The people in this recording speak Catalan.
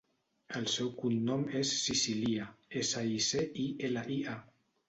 El seu cognom és Sicilia: essa, i, ce, i, ela, i, a.